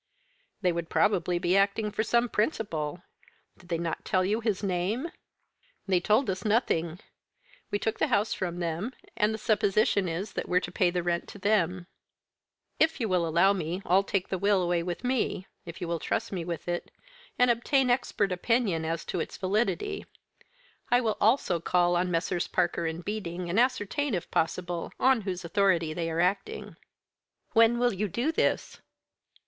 "They would probably be acting for some principal. Did they not tell you his name?" "They told us nothing. We took the house from them, and the supposition is that we're to pay the rent to them." "If you will allow me, I'll take the will away with me if you will trust me with it and obtain expert opinion as to its validity. I will also call on Messrs. Parker and Beading, and ascertain, if possible, on whose authority they are acting." "When will you do this?"